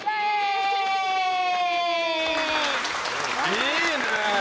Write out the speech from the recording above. いいね！